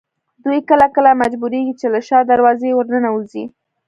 دوی کله کله مجبورېږي چې له شا دروازې ورننوځي.